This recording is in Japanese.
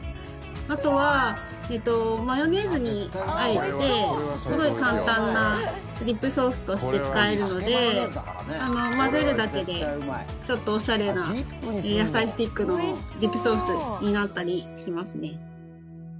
あとはマヨネーズにあえてすごい簡単なディップソースとして使えるので混ぜるだけでちょっとおしゃれな野菜スティックのディップソースになったりしますね。